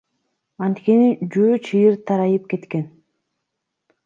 Анткени жөө чыйыр тарайып кеткен.